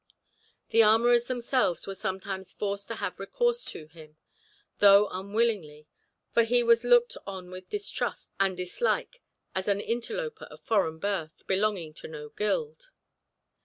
The armourers themselves were sometimes forced to have recourse to him, though unwillingly, for he was looked on with distrust and dislike as an interloper of foreign birth, belonging to no guild.